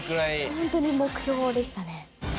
本当に目標でしたね。